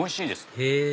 へぇ！